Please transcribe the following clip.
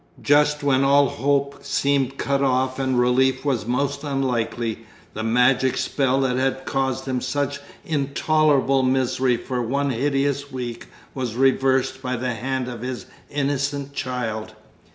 Just when all hope seemed cut off and relief was most unlikely, the magic spell that had caused him such intolerable misery for one hideous week was reversed by the hand of his innocent child.